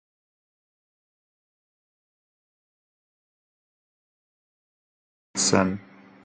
The company was co-founded by Rod Roark and Gary Robertson.